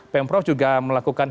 pemprov juga melakukan